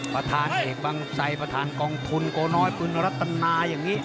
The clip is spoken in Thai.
ประธานเอกบางไซประธานกองทุนโกน้อยปืนรัตนาอย่างนี้